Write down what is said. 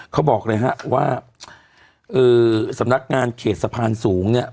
เขาบอกเลยฮะว่าสำนักงานเขตสะพานสูงเนี่ย